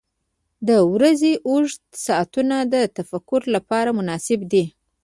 • د ورځې اوږده ساعتونه د تفکر لپاره مناسب دي.